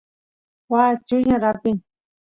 waa chuñar apin